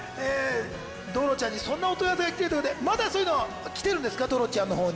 ドロちゃんにそんな問い合わせが来てるということでまだそういうの来てるんですか？ドロちゃんのほうに。